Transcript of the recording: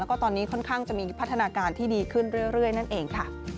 แล้วก็ตอนนี้ค่อนข้างจะมีพัฒนาการที่ดีขึ้นเรื่อยนั่นเองค่ะ